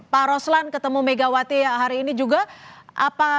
pak roslan ketemu megawati hari ini juga